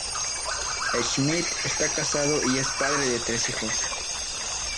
Schmid está casado y es padre de tres hijos.